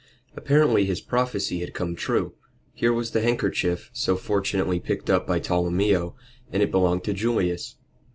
Apparently his prophecy had come true. Here was the handkerchief, so fortunately picked up by Tolomeo, and it belonged to Julius.